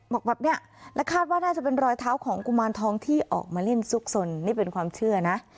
บอกแบบนี้และคาดว่าน่าจะเป็นรอยเท้าของกุมารทองที่ออกมาเล่นซุกสนนี่เป็นความเชื่อนะ